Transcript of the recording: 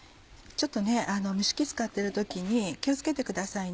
蒸し器使ってる時に気を付けてくださいね。